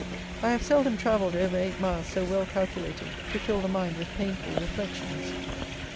I have seldom travelled over eight miles so well calculated to fill the mind with painful reflections.